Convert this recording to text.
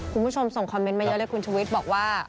คุณผู้ชมส่งคอมเมนต์มาเยอะเลยคุณชุวิตบอกว่า